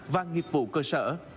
và nghiệp vụ cơ sở